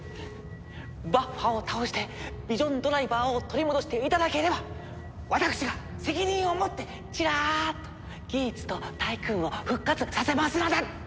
バッファを倒してヴィジョンドライバーを取り戻していただければ私が責任を持ってチラっとギーツとタイクーンを復活させますので！